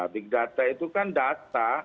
big data itu kan data